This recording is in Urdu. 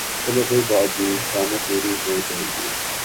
چلو کوئی بات نہیں خانہ پوری ھو جاے گی